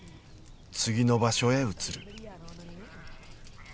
次の場所へ移る。